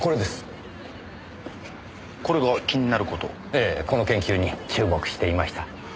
ええこの研究に注目していました。